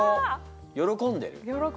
喜んでる！